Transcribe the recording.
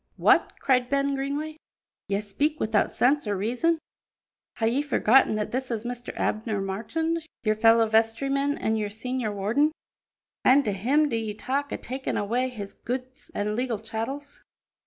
"What!" cried Ben Greenway, "ye speak wi'out sense or reason. Hae ye forgotten that this is Mr. Abner Marchand, your fellow vestryman an' your senior warden? An' to him do ye talk o' takin' awa' his goods an' legal chattels?"